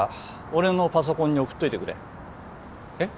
俺のパソコンに送っといてくれえっ？